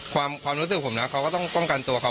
ความรู้สึกผมนะเขาก็ต้องป้องกันตัวเขา